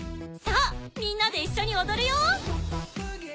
さあみんなで一緒におどるよ。